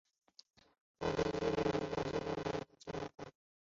高科交流道为台湾中山高速公路的重要联络道路。